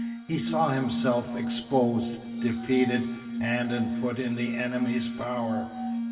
He saw himself exposed, defeated, hand and foot in the enemy's power.